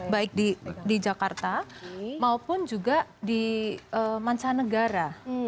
baik di jakarta maupun juga di mancanegara